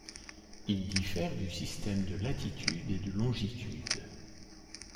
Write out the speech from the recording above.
Il diffère du système de latitude et de longitude.